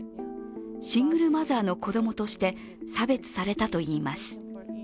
シングルマザーの子供として差別されたといいます。